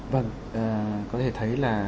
vâng có thể thấy là